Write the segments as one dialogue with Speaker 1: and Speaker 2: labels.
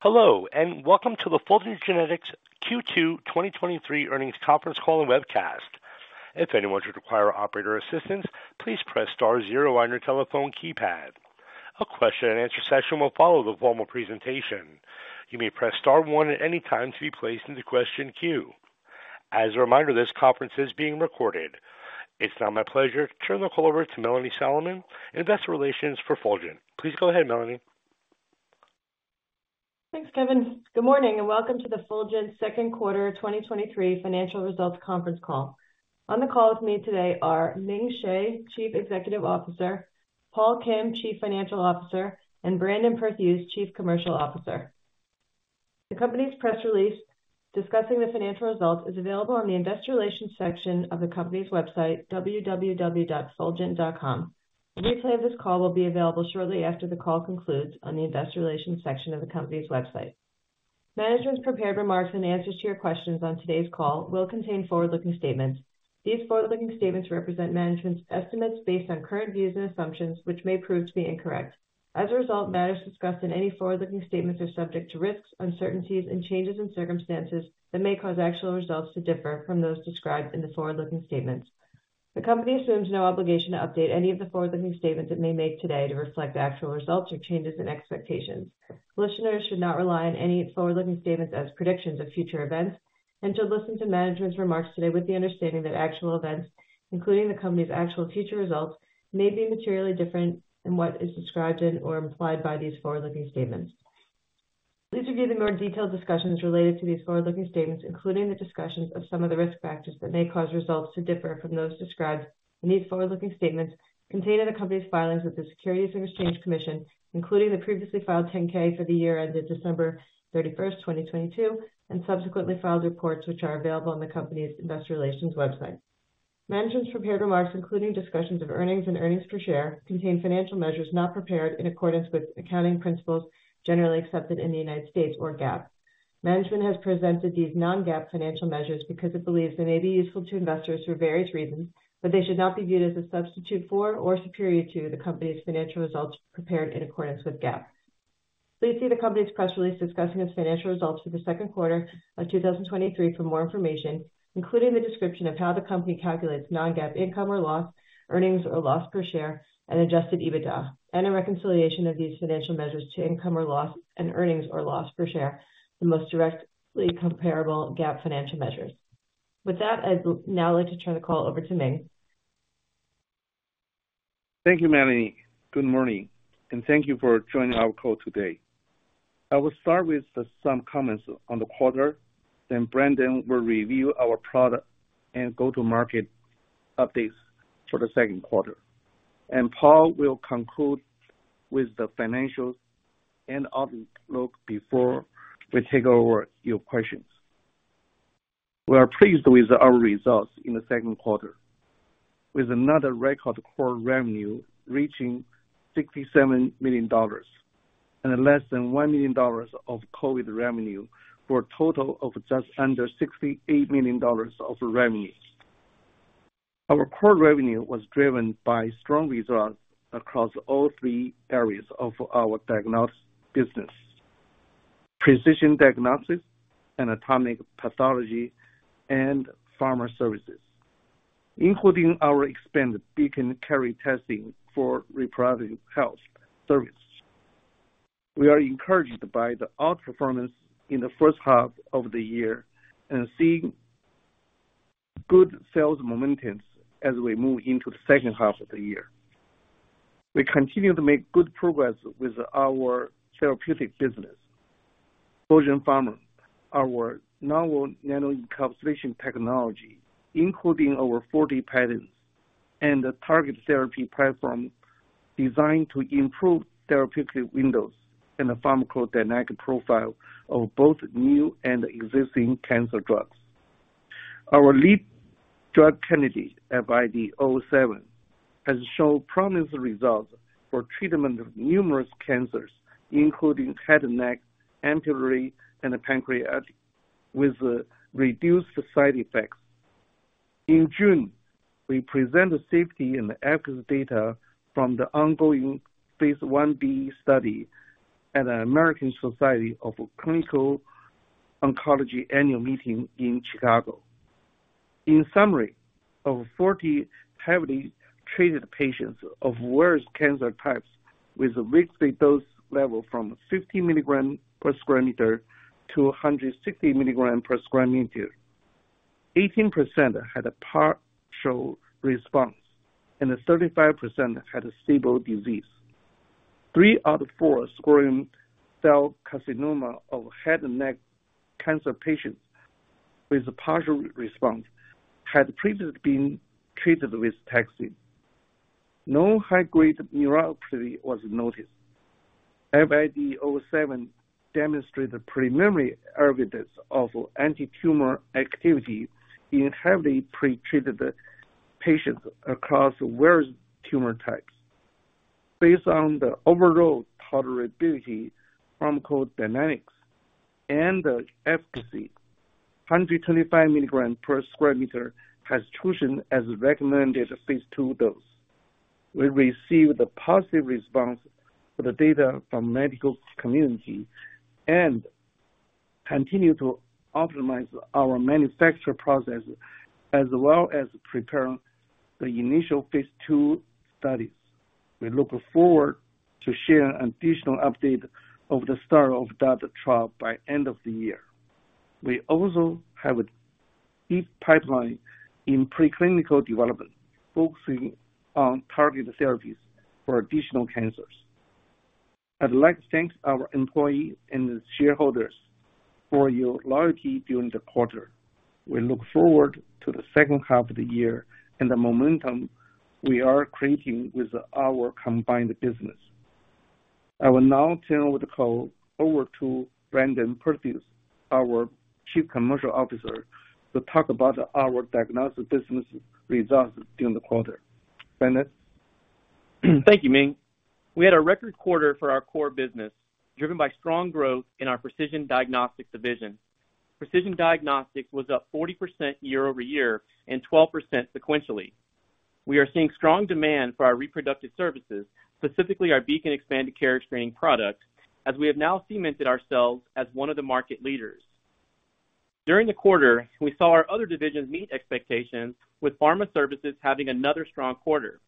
Speaker 1: Hello, and welcome to the Fulgent Genetics Q2 2023 Earnings Conference Call and Webcast. If anyone should require operator assistance, please press star zero on your telephone keypad. A question-and-answer session will follow the formal presentation. You may press star one at any time to be placed in the question queue. As a reminder, this conference is being recorded. It's now my pleasure to turn the call over to Melanie Solomon, Investor Relations for Fulgent. Please go ahead, Melanie.
Speaker 2: Thanks, Kevin. Good morning, and welcome to the Fulgent Second Quarter 2023 Financial Results Conference Call. On the call with me today are Ming Hsieh, Chief Executive Officer, Paul Kim, Chief Financial Officer, and Brandon Perthuis, Chief Commercial Officer. The company's press release discussing the financial results is available on the investor relations section of the company's website, www.fulgent.com. A replay of this call will be available shortly after the call concludes on the Investor Relations section of the company's website. Management's prepared remarks and answers to your questions on today's call will contain forward-looking statements. These forward-looking statements represent management's estimates based on current views and assumptions, which may prove to be incorrect. As a result, matters discussed in any forward-looking statements are subject to risks, uncertainties, and changes in circumstances that may cause actual results to differ from those described in the forward-looking statements. The Company assumes no obligation to update any of the forward-looking statements it may make today to reflect actual results or changes in expectations. Listeners should not rely on any forward-looking statements as predictions of future events and should listen to management's remarks today with the understanding that actual events, including the Company's actual future results, may be materially different than what is described in or implied by these forward-looking statements. Please review the more detailed discussions related to these forward-looking statements, including the discussions of some of the risk factors that may cause results to differ from those described in these forward-looking statements contained in the Company's filings with the Securities and Exchange Commission, including the previously filed 10-K for the year ended December 31, 2022, and subsequently filed reports, which are available on the Company's investor relations website. Management's prepared remarks, including discussions of earnings and earnings per share, contain financial measures not prepared in accordance with accounting principles generally accepted in the U.S. or GAAP. Management has presented these non-GAAP financial measures because it believes they may be useful to investors for various reasons, but they should not be viewed as a substitute for or superior to the company's financial results prepared in accordance with GAAP. Please see the company's press release discussing its financial results for the second quarter of 2023 for more information, including the description of how the company calculates non-GAAP income or loss, earnings or loss per share, and Adjusted EBITDA, and a reconciliation of these financial measures to income or loss and earnings or loss per share, the most directly comparable GAAP financial measures. With that, I'd now like to turn the call over to Ming.
Speaker 3: Thank you, Melanie. Good morning, and thank you for joining our call today. I will start with some comments on the quarter, then Brandon will review our product and go-to-market updates for the second quarter, and Paul will conclude with the financials and outlook before we take over your questions. We are pleased with our results in the second quarter, with another record core revenue reaching $67 million and less than $1 million of COVID revenue, for a total of just under $68 million of revenue. Our core revenue was driven by strong results across all three areas of our diagnostic business: precision diagnostics and anatomic pathology and pharma services, including our expanded Beacon Carrier Testing for reproductive health services. We are encouraged by the outperformance in the first half of the year and seeing good sales momentum as we move into the second half of the year. We continue to make good progress with our therapeutic business, Fulgent Pharma, our novel nanoencapsulation technology, including over 40 patents and a target therapy platform designed to improve therapeutic windows and the pharmacodynamic profile of both new and existing cancer drugs. Our lead drug candidate, FID-007, has shown promising results for treatment of numerous cancers, including head and neck, pulmonary, and pancreatic, with reduced side effects. In June, we presented safety and efficacy data from the ongoing phase I-B study at the American Society of Clinical Oncology annual meeting in Chicago. In summary, of 40 heavily treated patients of worst cancer types with a weekly dose level from 50 milligrams per square meter to 160 milligrams per square meter, 18% had a partial response and 35% had a stable disease. Three out of four squamous cell carcinoma of head and neck cancer patients with a partial response had previously been treated with taxane. No high-grade neuropathy was noticed. FID-007 demonstrated preliminary evidence of antitumor activity in heavily pretreated patients across various tumor types. Based on the overall tolerability, pharmacodynamic and the efficacy, 125 mg per sq meter has chosen as recommended phase II dose. We received a positive response to the data from medical community and continue to optimize our manufacture process, as well as prepare the initial phase II studies. We look forward to share an additional update of the start of that trial by end of the year. We also have a deep pipeline in preclinical development, focusing on targeted therapies for additional cancers. I'd like to thank our employee and the shareholders for your loyalty during the quarter. We look forward to the second half of the year and the momentum we are creating with our combined business. I will now turn the call over to Brandon Perthuis, our Chief Commercial Officer, to talk about our diagnostic business results during the quarter. Brandon?
Speaker 4: Thank you, Ming. We had a record quarter for our core business, driven by strong growth in our precision diagnostics division. Precision diagnostics was up 40% year-over-year and 12% sequentially. We are seeing strong demand for our reproductive services, specifically our Beacon Expanded Carrier Screening product, as we have now cemented ourselves as one of the market leaders. During the quarter, we saw our other divisions meet expectations, with pharma services having another strong quarter.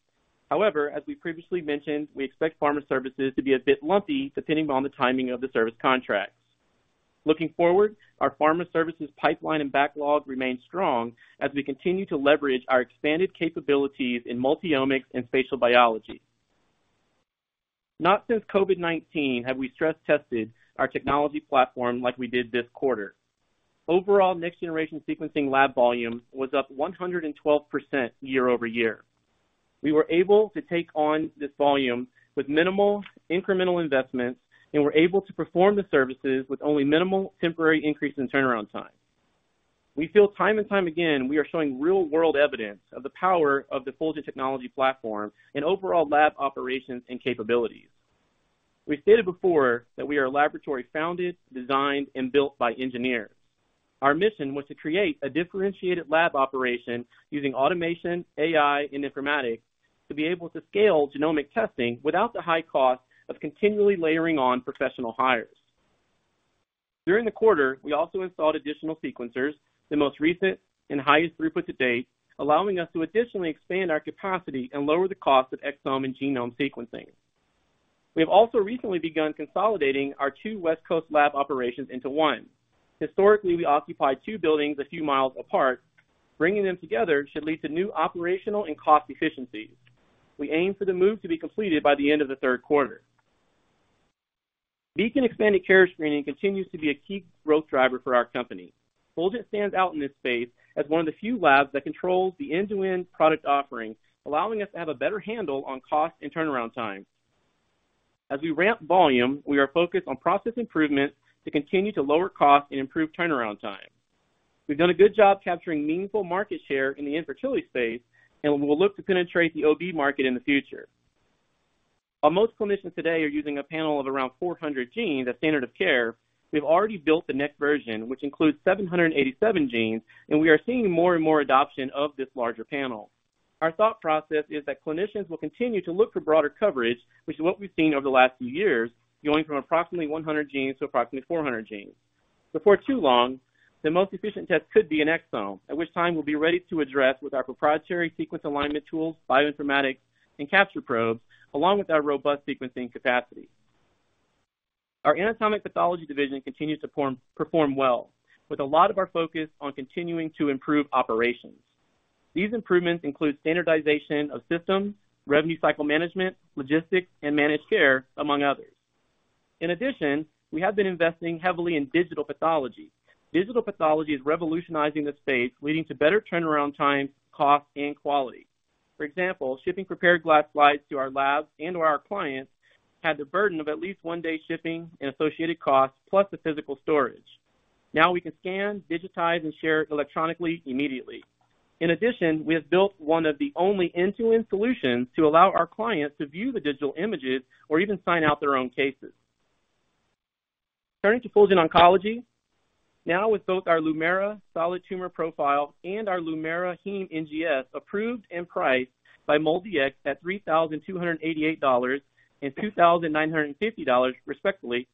Speaker 4: As we previously mentioned, we expect pharma services to be a bit lumpy, depending on the timing of the service contracts. Looking forward, our pharma services pipeline and backlog remain strong as we continue to leverage our expanded capabilities in multi-omics and spatial biology. Not since COVID-19 have we stress-tested our technology platform like we did this quarter. Overall, next-generation sequencing lab volume was up 112% year-over-year. We were able to take on this volume with minimal incremental investments and were able to perform the services with only minimal temporary increase in turnaround time. We feel time and time again, we are showing real-world evidence of the power of the Fulgent technology platform and overall lab operations and capabilities. We've stated before that we are a laboratory founded, designed, and built by engineers. Our mission was to create a differentiated lab operation using automation, AI, and informatics to be able to scale genomic testing without the high cost of continually layering on professional hires. During the quarter, we also installed additional sequencers, the most recent and highest throughput to date, allowing us to additionally expand our capacity and lower the cost of exome and genome sequencing. We have also recently begun consolidating our two West Coast lab operations into one. Historically, we occupied two buildings a few miles apart. Bringing them together should lead to new operational and cost efficiencies. We aim for the move to be completed by the end of the third quarter. Beacon Expanded Carrier Screening continues to be a key growth driver for our company. Fulgent stands out in this space as one of the few labs that controls the end-to-end product offerings, allowing us to have a better handle on cost and turnaround time. As we ramp volume, we are focused on process improvement to continue to lower cost and improve turnaround time. We've done a good job capturing meaningful market share in the infertility space, and we'll look to penetrate the OB market in the future. While most clinicians today are using a panel of around 400 genes, a standard of care, we've already built the next version, which includes 787 genes, and we are seeing more and more adoption of this larger panel. Our thought process is that clinicians will continue to look for broader coverage, which is what we've seen over the last few years, going from approximately 100 genes to approximately 400 genes. Before too long, the most efficient test could be an exome, at which time we'll be ready to address with our proprietary sequence alignment tools, bioinformatics, and capture probes, along with our robust sequencing capacity. Our anatomic pathology division continues to perform well, with a lot of our focus on continuing to improve operations. These improvements include standardization of systems, revenue cycle management, logistics, and managed care, among others. In addition, we have been investing heavily in digital pathology. Digital pathology is revolutionizing the space, leading to better turnaround times, cost, and quality. For example, shipping prepared glass slides to our labs and/or our clients had the burden of at least one-day shipping and associated costs, plus the physical storage. Now, we can scan, digitize, and share electronically, immediately. In addition, we have built one of the only end-to-end solutions to allow our clients to view the digital images or even sign out their own cases. Turning to Fulgent Oncology, now with both our Lumira Solid Tumor Profile and our Lumira Heme NGS, approved and priced by MolDX at $3,288 and $2,950, respectively,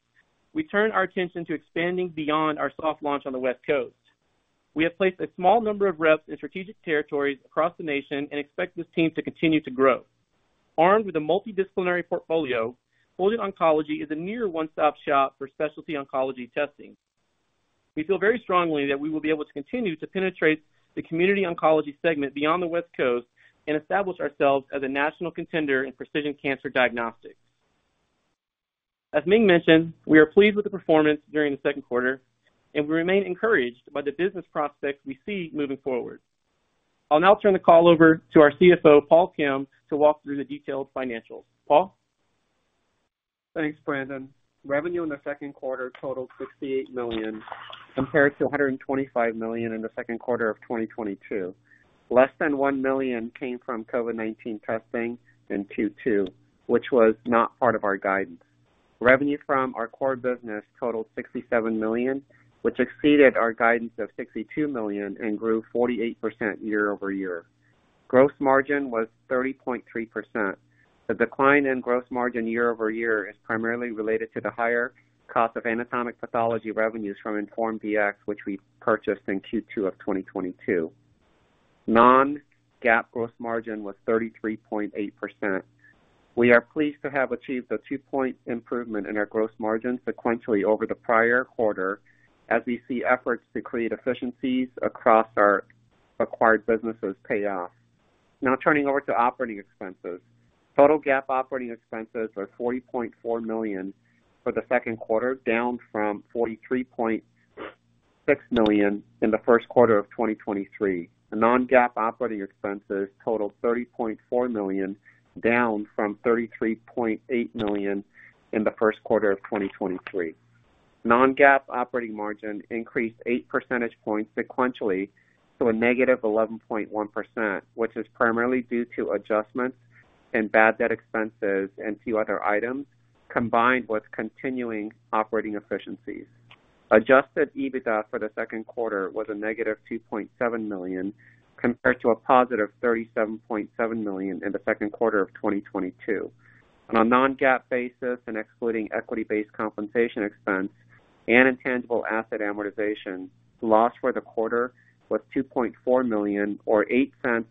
Speaker 4: we turn our attention to expanding beyond our soft launch on the West Coast. We have placed a small number of reps in strategic territories across the nation and expect this team to continue to grow. Armed with a multidisciplinary portfolio, Fulgent Oncology is a near one-stop shop for specialty oncology testing. We feel very strongly that we will be able to continue to penetrate the community oncology segment beyond the West Coast and establish ourselves as a national contender in precision cancer diagnostics. As Ming mentioned, we are pleased with the performance during the second quarter, and we remain encouraged by the business prospects we see moving forward. I'll now turn the call over to our CFO, Paul Kim, to walk through the detailed financials. Paul?
Speaker 5: Thanks, Brandon. Revenue in the second quarter totaled $68 million compared to $125 million in Q2 2022. Less than $1 million came from COVID-19 testing in Q2, which was not part of our guidance. Revenue from our core business totaled $67 million, which exceeded our guidance of $62 million and grew 48% year-over-year. Gross margin was 30.3%. The decline in gross margin year-over-year is primarily related to the higher cost of anatomic pathology revenues from Inform Diagnostics, which we purchased in Q2 of 2022. Non-GAAP gross margin was 33.8%. We are pleased to have achieved a two-point improvement in our gross margin sequentially over the prior quarter, as we see efforts to create efficiencies across our acquired businesses pay off. Turning over to operating expenses. Total GAAP operating expenses are $40.4 million for the second quarter, down from $43.6 million in the first quarter of 2023. The non-GAAP operating expenses totaled $30.4 million, down from $33.8 million in the first quarter of 2023. Non-GAAP operating margin increased eight percentage points sequentially to a negative 11.1%, which is primarily due to adjustments and bad debt expenses and few other items, combined with continuing operating efficiencies. Adjusted EBITDA for the second quarter was a negative $2.7 million, compared to a positive $37.7 million in the second quarter of 2022. On a non-GAAP basis and excluding equity-based compensation expense and intangible asset amortization, loss for the quarter was $2.4 million, or $0.08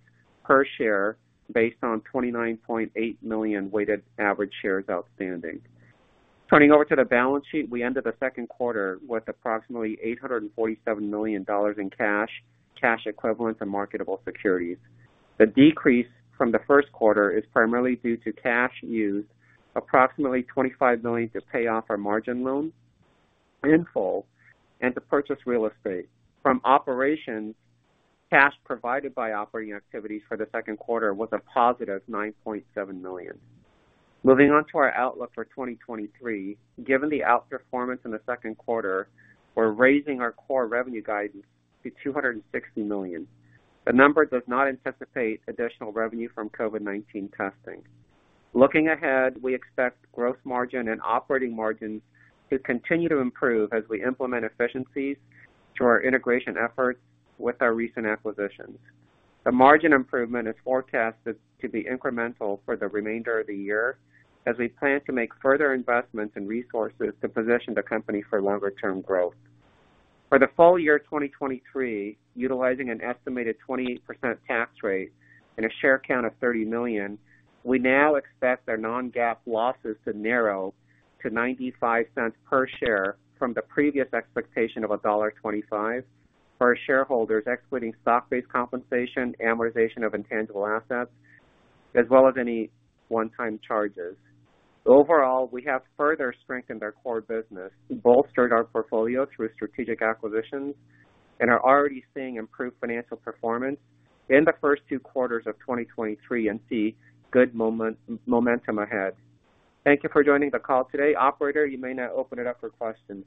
Speaker 5: per share, based on 29.8 million weighted average shares outstanding. Turning over to the balance sheet, we ended the second quarter with approximately $847 million in cash, cash equivalents and marketable securities. The decrease from the first quarter is primarily due to cash used, approximately $25 million, to pay off our margin loan in full and to purchase real estate. From operations, cash provided by operating activities for the second quarter was a positive $9.7 million. Moving on to our outlook for 2023. Given the outperformance in the second quarter, we're raising our core revenue guidance to $260 million. The number does not anticipate additional revenue from COVID-19 testing. Looking ahead, we expect gross margin and operating margins to continue to improve as we implement efficiencies through our integration efforts with our recent acquisitions. The margin improvement is forecasted to be incremental for the remainder of the year as we plan to make further investments in resources to position the company for longer term growth. For the full year 2023, utilizing an estimated 28% tax rate and a share count of 30 million, we now expect our non-GAAP losses to narrow to $0.95 per share from the previous expectation of $1.25 for our shareholders, excluding stock-based compensation, amortization of intangible assets, as well as any one-time charges. Overall, we have further strengthened our core business, bolstered our portfolio through strategic acquisitions, and are already seeing improved financial performance in the first two quarters of 2023, and see good momentum ahead. Thank you for joining the call today. Operator, you may now open it up for questions.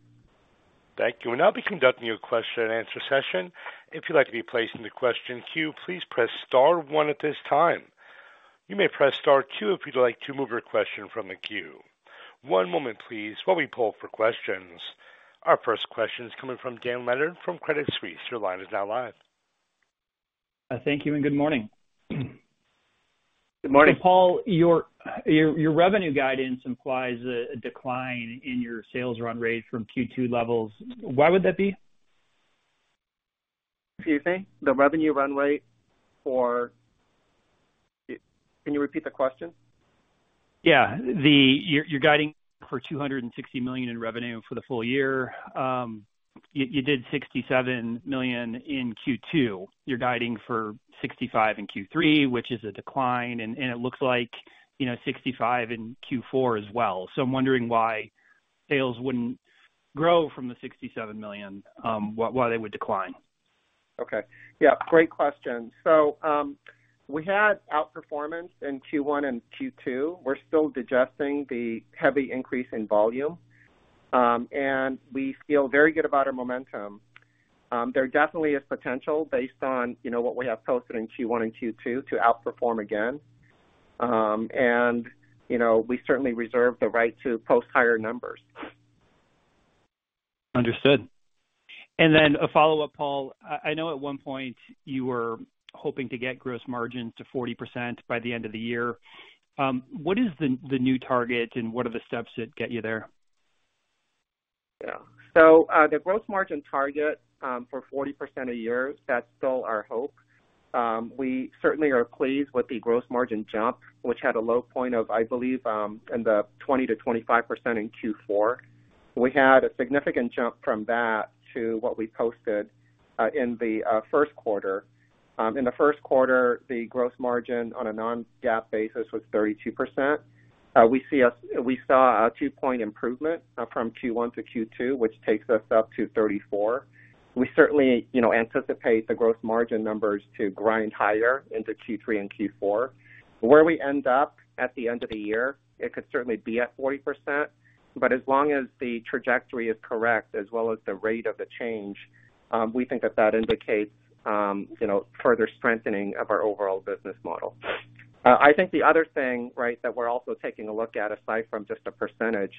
Speaker 1: Thank you. We'll now be conducting a question-and-answer session. If you'd like to be placed in the question queue, please press star one at this time. You may press star two if you'd like to remove your question from the queue. One moment please, while we pull for questions. Our first question is coming from Dan Leonard from Credit Suisse. Your line is now live.
Speaker 6: Thank you and good morning.
Speaker 5: Good morning.
Speaker 6: Paul, your revenue guidance implies a decline in your sales run rate from Q2 levels. Why would that be?
Speaker 5: Excuse me, the revenue run rate for? Can you repeat the question?
Speaker 6: Yeah. The, you're guiding for $260 million in revenue for the full year. You did $67 million in Q2. You're guiding for $65 million in Q3, which is a decline, and, and it looks like, you know, $65 million in Q4 as well. I'm wondering why sales wouldn't grow from the $67 million, why they would decline?
Speaker 5: Okay. Yeah, great question. We had outperformance in Q1 and Q2. We're still digesting the heavy increase in volume, and we feel very good about our momentum. There definitely is potential based on, you know, what we have posted in Q1 and Q2 to outperform again. You know, we certainly reserve the right to post higher numbers.
Speaker 6: Understood. Then a follow-up, Paul. I know at one point you were hoping to get gross margins to 40% by the end of the year. What is the new target and what are the steps that get you there?
Speaker 5: Yeah. The gross margin target for 40% a year, that's still our hope. We certainly are pleased with the gross margin jump, which had a low point of, I believe, in the 20%-25% in Q4. We had a significant jump from that to what we posted in the first quarter. In the first quarter, the gross margin on a non-GAAP basis was 32%. We saw a two-point improvement from Q1 to Q2, which takes us up to 34%. We certainly, you know, anticipate the growth margin numbers to grind higher into Q3 and Q4. Where we end up at the end of the year, it could certainly be at 40%. As long as the trajectory is correct, as well as the rate of the change, we think that that indicates, you know, further strengthening of our overall business model. I think the other thing, right, that we're also taking a look at, aside from just the percentage,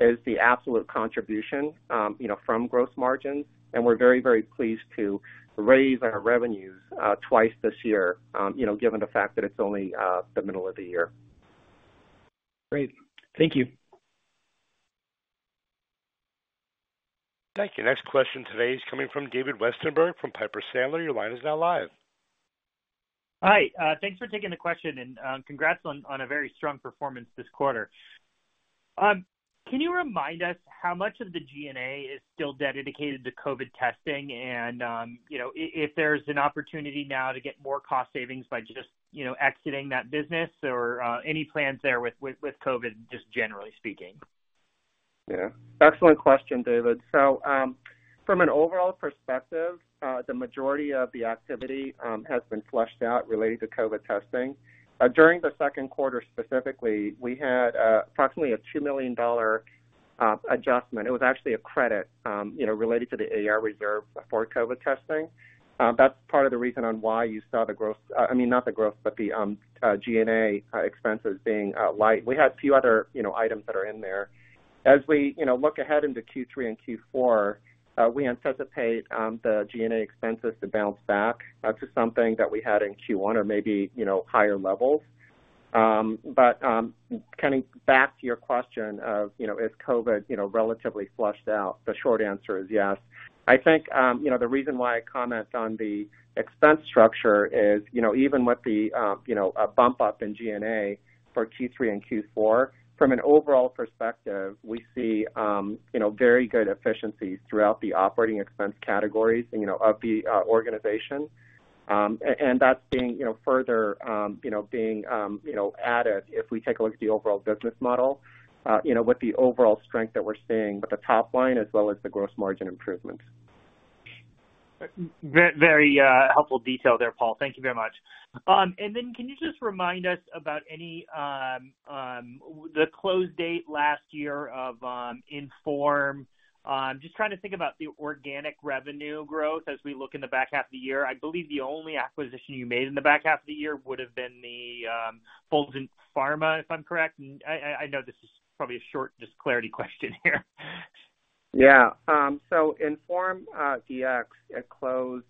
Speaker 5: is the absolute contribution, you know, from gross margins. We're very, very pleased to raise our revenues, twice this year, you know, given the fact that it's only the middle of the year.
Speaker 6: Great. Thank you.
Speaker 1: Thank you. Next question today is coming from David Westenberg, from Piper Sandler. Your line is now live.
Speaker 7: Hi, thanks for taking the question, and congrats on, on a very strong performance this quarter. Can you remind us how much of the G&A is still dedicated to COVID testing? You know, if there's an opportunity now to get more cost savings by just, you know, exiting that business or any plans there with COVID, just generally speaking?
Speaker 5: Yeah. Excellent question, David. From an overall perspective, the majority of the activity has been flushed out related to COVID testing. During the second quarter specifically, we had approximately a $2 million adjustment. It was actually a credit, you know, related to the AR reserve for COVID testing. That's part of the reason on why you saw the growth, I mean, not the growth, but the G&A expenses being light. We had a few other, you know, items that are in there. As we, you know, look ahead into Q3 and Q4, we anticipate the G&A expenses to bounce back to something that we had in Q1 or maybe, you know, higher levels. Coming back to your question of, you know, is COVID, you know, relatively flushed out? The short answer is yes. I think, you know, the reason why I comment on the expense structure is, you know, even with the, you know, a bump up in G&A for Q3 and Q4, from an overall perspective, we see, you know, very good efficiencies throughout the operating expense categories, you know, of the organization. That's being, you know, further, you know, being, you know, added if we take a look at the overall business model, you know, with the overall strength that we're seeing with the top line as well as the gross margin improvements.
Speaker 7: Very helpful detail there, Paul. Thank you very much. Then can you just remind us about any the close date last year of Inform? Just trying to think about the organic revenue growth as we look in the back half of the year. I believe the only acquisition you made in the back half of the year would have been the Fulgent Pharma, if I'm correct. I know this is probably a short, just clarity question here.
Speaker 5: So Inform DX, it closed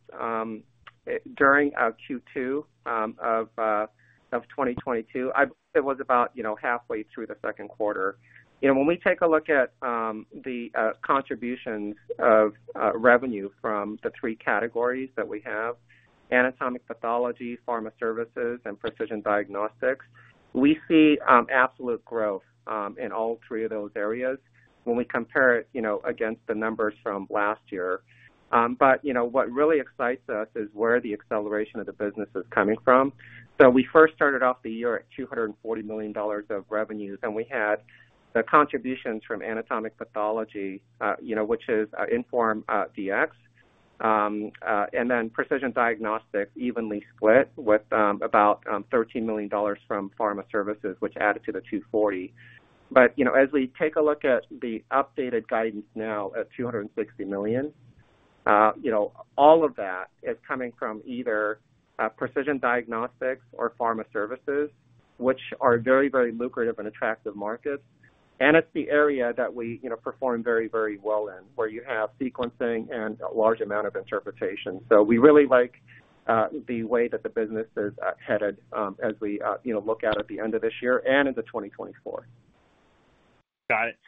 Speaker 5: during Q2 of 2022. It was about, you know, halfway through the second quarter. You know, when we take a look at the contributions of revenue from the three categories that we have, anatomic pathology, pharma services, and precision diagnostics, we see absolute growth in all three of those areas when we compare it, you know, against the numbers from last year. You know, what really excites us is where the acceleration of the business is coming from. We first started off the year at $240 million of revenues, and we had the contributions from anatomic pathology, you know, which is Inform DX, and then precision diagnostics evenly split with about $13 million from pharma services, which added to the $240 million. You know, as we take a look at the updated guidance now at $260 million, you know, all of that is coming from either precision diagnostics or pharma services, which are very, very lucrative and attractive markets. It's the area that we, you know, perform very, very well in, where you have sequencing and a large amount of interpretation. We really like the way that the business is headed, as we, you know, look out at the end of this year and into 2024.
Speaker 7: Got it.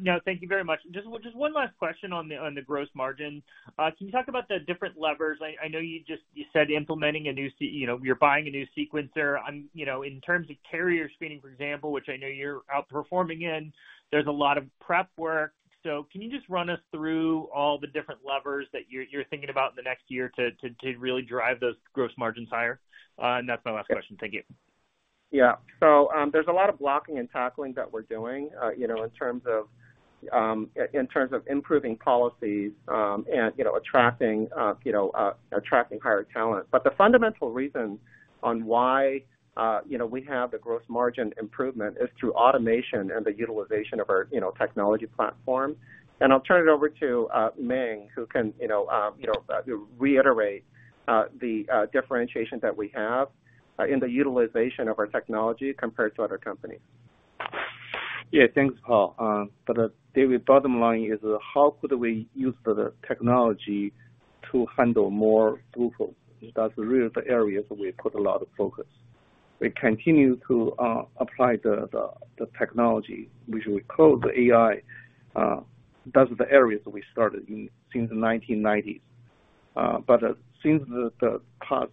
Speaker 7: Now, thank you very much. Just, just one last question on the, on the gross margins. Can you talk about the different levers? I, I know you just said implementing a new, you know, you're buying a new sequencer. You know, in terms of carrier screening, for example, which I know you're outperforming in, there's a lot of prep work. Can you just run us through all the different levers that you're thinking about in the next year to really drive those gross margins higher? That's my last question. Thank you.
Speaker 5: There's a lot of blocking and tackling that we're doing, you know, in terms of, in terms of improving policies, and, you know, attracting, you know, attracting higher talent. The fundamental reason on why, you know, we have the gross margin improvement is through automation and the utilization of our, you know, technology platform. I'll turn it over to Ming, who can, you know, reiterate the differentiation that we have in the utilization of our technology compared to other companies.
Speaker 3: Yeah, thanks, Paul. David, bottom line is: How could we use the technology to handle more throughput? That's really the areas that we put a lot of focus. We continue to apply the technology, which we call the AI. That's the areas that we started in since the 1990s. Since the past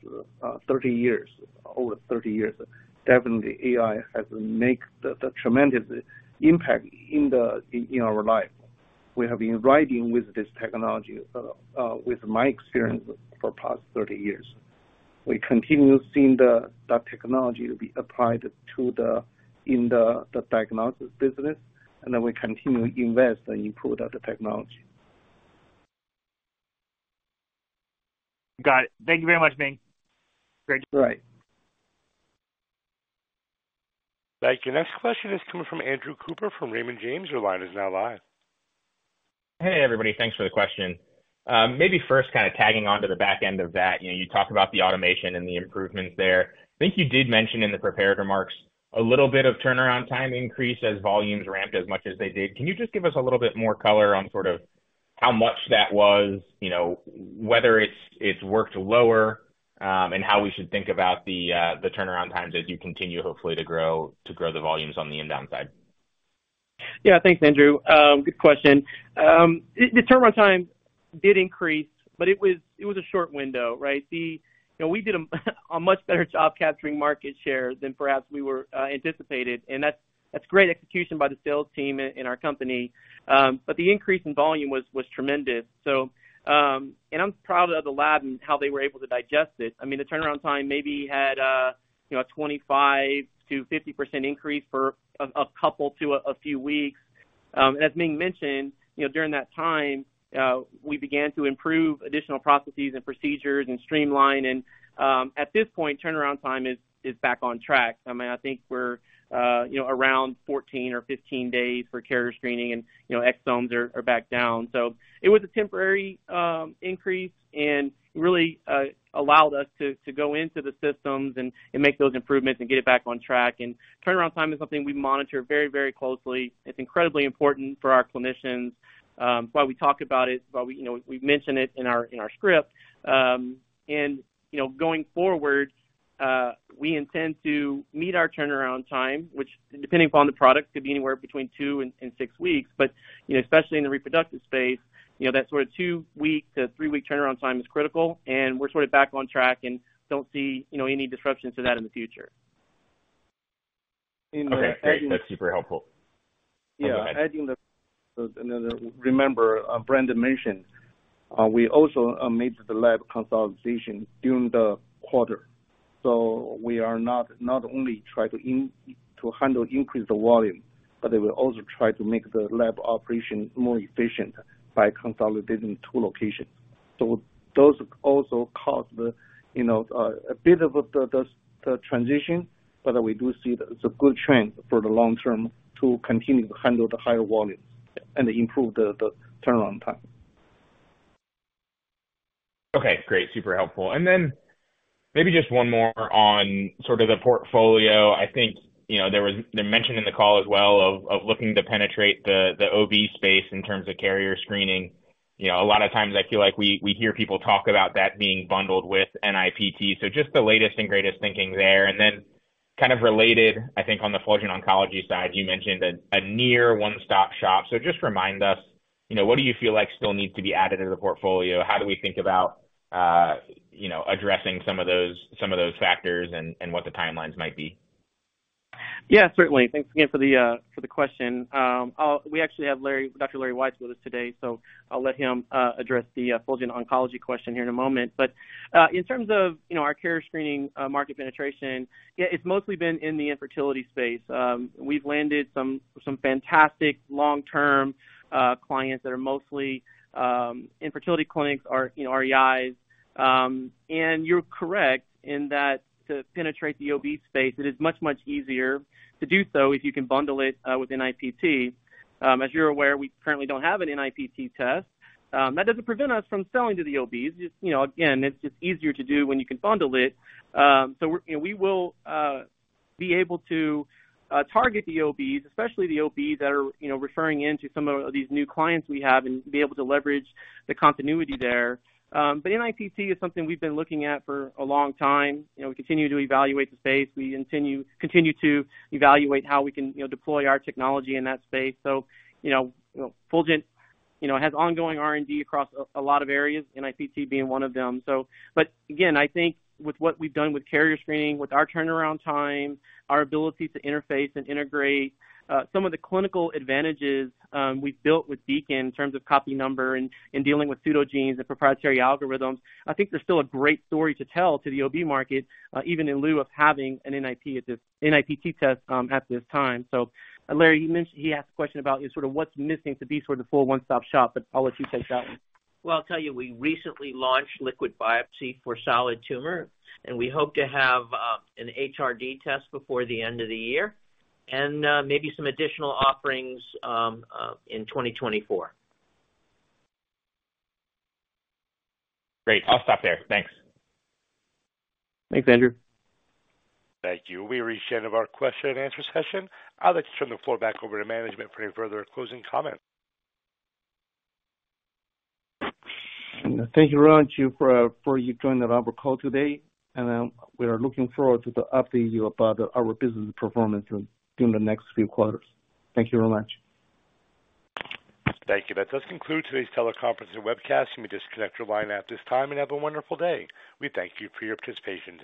Speaker 3: 30 years, over 30 years, definitely AI has made the tremendous impact in our life. We have been riding with this technology with my experience for the past 30 years. We continue seeing that technology will be applied in the diagnostics business, and then we continue to invest and improve the technology.
Speaker 7: Got it. Thank you very much, Ming.
Speaker 3: Thank you. Right.
Speaker 1: Thank you. Next question is coming from Andrew Cooper from Raymond James. Your line is now live.
Speaker 8: Hey, everybody. Thanks for the question. Maybe first, kind of tagging on to the back end of that, you know, you talked about the automation and the improvements there. I think you did mention in the prepared remarks a little bit of turnaround time increase as volumes ramped as much as they did. Can you just give us a little bit more color on sort of how much that was, you know, whether it's worked lower, and how we should think about the turnaround times as you continue, hopefully, to grow, to grow the volumes on the inbound side?
Speaker 4: Thanks, Andrew. Good question. The turnaround time did increase, but it was a short window, right? You know, we did a much better job capturing market share than perhaps we were anticipated, and that's great execution by the sales team in our company. The increase in volume was tremendous. I'm proud of the lab and how they were able to digest it. I mean, the turnaround time maybe had a, you know, a 25%-50% increase for a couple to a few weeks. As Ming mentioned, you know, during that time, we began to improve additional processes and procedures and streamline and, at this point, turnaround time is back on track. I mean, I think we're, you know, around 14 or 15 days for carrier screening and, you know, exomes are back down. It was a temporary increase and really allowed us to go into the systems and make those improvements and get it back on track. Turnaround time is something we monitor very, very closely. It's incredibly important for our clinicians, why we talk about it, why we, you know, we mention it in our script. You know, going forward, we intend to meet our turnaround time, which, depending upon the product, could be anywhere between two and six weeks. You know, especially in the reproductive space, you know, that sort of two-week to three-week turnaround time is critical, and we're sort of back on track and don't see, you know, any disruptions to that in the future.
Speaker 8: Okay, great. That's super helpful.
Speaker 3: Yeah. Adding another, remember, Brandon mentioned, we also made the lab consolidation during the quarter. We are not only try to handle increased volume, but they will also try to make the lab operation more efficient by consolidating two locations. Those also cause the, you know, a bit of a transition, but we do see it's a good trend for the long term to continue to handle the higher volumes and improve the turnaround time.
Speaker 8: Okay, great. Super helpful. Then maybe just one more on sort of the portfolio. I think, you know, there was the mention in the call as well of looking to penetrate the OB Space in terms of carrier screening. You know, a lot of times I feel like we hear people talk about that being bundled with NIPT. Just the latest and greatest thinking there. Then kind of related, I think on the Fulgent Oncology side, you mentioned a near one-stop shop. Just remind us, you know, what do you feel like still needs to be added to the portfolio? How do we think about, you know, addressing some of those, some of those factors and what the timelines might be?
Speaker 4: Yeah, certainly. Thanks again for the question. We actually have Dr. Larry Weiss with us today, so I'll let him address the Fulgent Oncology question here in a moment. In terms of, you know, our carrier screening market penetration, yeah, it's mostly been in the infertility space. We've landed some fantastic long-term clients that are mostly infertility clinics or, you know, REIs. You're correct in that to penetrate the OB Space, it is much, much easier to do so if you can bundle it with NIPT. As you're aware, we currently don't have an NIPT test. That doesn't prevent us from selling to the OBs. It's, you know, again, it's just easier to do when you can bundle it. We're, you know, we will be able to target the OBs, especially the OBs that are, you know, referring in to some of these new clients we have and be able to leverage the continuity there. NIPT is something we've been looking at for a long time. You know, we continue to evaluate the space. We continue to evaluate how we can, you know, deploy our technology in that space. You know, you know, Fulgent, you know, has ongoing R&D across a lot of areas, NIPT being one of them. But again, I think with what we've done with carrier screening, with our turnaround time, our ability to interface and integrate, some of the clinical advantages we've built with Beacon in terms of copy number and dealing with pseudogenes and proprietary algorithms, I think there's still a great story to tell to the OB market, even in lieu of having an NIPT test at this time. Larry, you mentioned, he asked a question about sort of what's missing to be sort of the full one-stop shop, but I'll let you take that one.
Speaker 9: Well, I'll tell you, we recently launched liquid biopsy for solid tumor, and we hope to have an HRD test before the end of the year and maybe some additional offerings in 2024.
Speaker 8: Great. I'll stop there. Thanks.
Speaker 4: Thanks, Andrew.
Speaker 1: Thank you. We've reached the end of our question-and-answer session. I'd like to turn the floor back over to management for any further closing comments.
Speaker 3: Thank you very much for, for you joining our call today. We are looking forward to the update you about our business performance during the next few quarters. Thank you very much.
Speaker 1: Thank you. That does conclude today's teleconference and webcast. You may disconnect your line at this time and have a wonderful day. We thank you for your participation today.